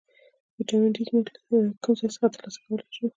ویټامین ډي موږ له کوم ځای څخه ترلاسه کولی شو